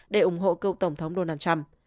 để ủng hộ cậu tổng thống donald trump